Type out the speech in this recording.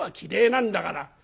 なんだから！」。